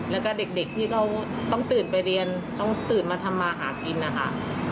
แล้วก็เด็กที่เขาต้องตื่นไปเรียนต้องตื่นมาทำมาหากินนะคะ